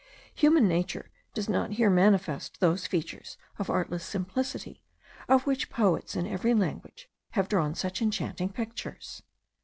Human nature does not here manifest those features of artless simplicity, of which poets in every language have drawn such enchanting pictures.